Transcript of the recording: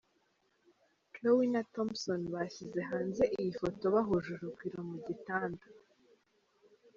Khloe na Thompson bashyize hanze iyi foto bahuje urugwiro mu gitanda.